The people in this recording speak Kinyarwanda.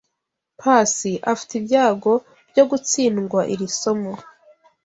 Pacy afite ibyago byo gutsindwa iri somo.